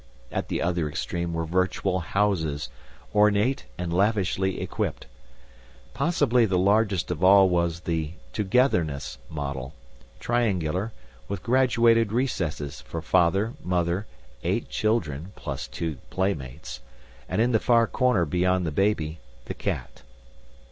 At the other extreme were virtual houses, ornate and lavishly equipped. Possibly the largest of all was the "Togetherness" model, triangular, with graduated recesses for Father, Mother, eight children (plus two playmates), and, in the far corner beyond the baby, the cat.